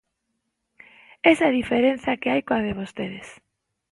Esa é a diferenza que hai coa de vostedes.